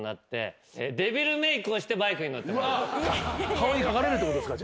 顔に描かれるってことですか？